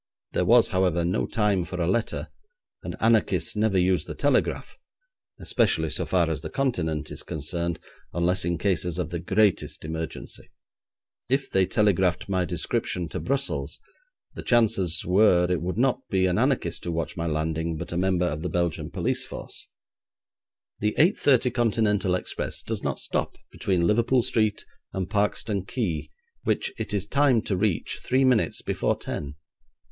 There was, however, no time for a letter, and anarchists never use the telegraph, especially so far as the Continent is concerned, unless in cases of the greatest emergency. If they telegraphed my description to Brussels the chances were it would not be an anarchist who watched my landing, but a member of the Belgian police force. The 8.30 Continental express does not stop between Liverpool Street and Parkeston Quay, which it is timed to reach three minutes before ten.